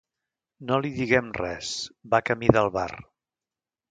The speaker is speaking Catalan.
No li diguem res, va camí del bar...